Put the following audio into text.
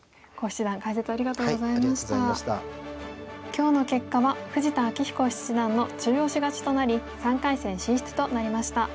今日の結果は富士田明彦七段の中押し勝ちとなり３回戦進出となりました。